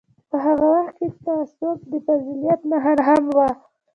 په هغه وخت کې تعصب د فضیلت نښه هم وه.